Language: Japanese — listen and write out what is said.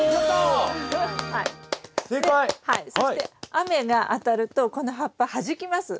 そして雨が当たるとこの葉っぱはじきます。